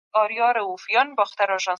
اقتصادي تعاون فرض دی.